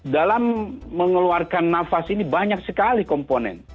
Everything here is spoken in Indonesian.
dalam mengeluarkan nafas ini banyak sekali komponen